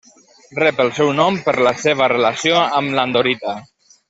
Rep el seu nom per la seva relació amb l'andorita.